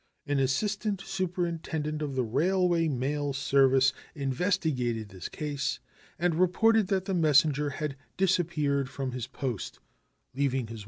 An assistant superintendent of the Railway Mail Service investigated this case and reported that the messenger had disappeared from his post, leaving his work to be performed by a substitute.